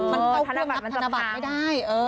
มันก็ควรนับธนบัตรไม่ได้